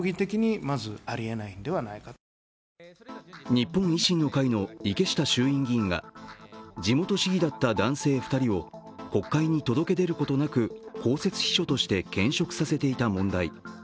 日本維新の会の池下衆院議員が地元市議だった男性２人を国会に届け出ることなく公設秘書として兼職させていた問題。